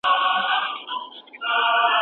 دا پوښتنې لا ځواب غواړي.